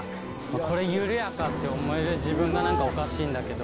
これ緩やかって思える自分が何かおかしいんだけど。